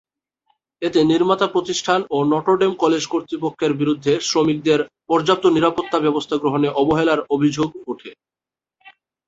এতে নির্মাতা প্রতিষ্ঠান ও নটর ডেম কলেজ কর্তৃপক্ষের বিরুদ্ধে শ্রমিকদের পর্যাপ্ত নিরাপত্তা ব্যবস্থা গ্রহণে অবহেলার অভিযোগ ওঠে।